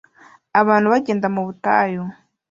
abantu bagenda mu butayu